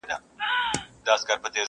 ځان را څخه هېر سي دا چي کله ته را یاد سې.